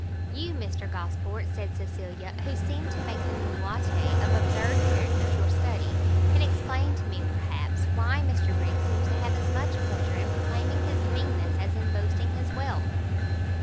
"You, Mr Gosport," said Cecilia, "who seem to make the minutiae of absurd characters your study, can explain to me, perhaps, why Mr Briggs seems to have as much pleasure in proclaiming his meanness, as in boasting his wealth?"